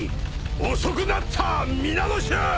遅くなった皆の衆！